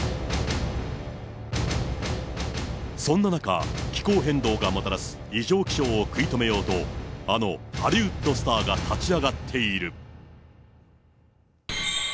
そんな中、気候変動がもたらす異常気象を食い止めようと、あのハリウッドスターが立ち上がっている。